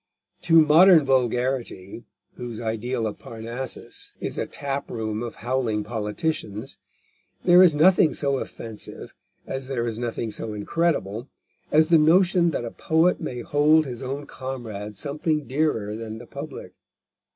To modern vulgarity, whose ideal of Parnassus is a tap room of howling politicians, there is nothing so offensive, as there is nothing so incredible, as the notion that a poet may hold his own comrade something dearer than the public.